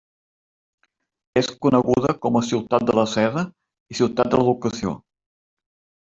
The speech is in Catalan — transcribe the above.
És coneguda com a Ciutat de la Seda i Ciutat de l'Educació.